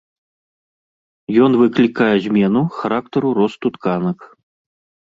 Ён выклікае змену характару росту тканак.